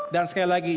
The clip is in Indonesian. dan sekali lagi